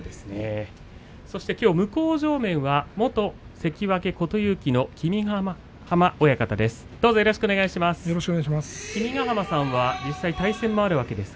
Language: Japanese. そして向正面は元関脇琴勇輝の君ヶ濱親方です。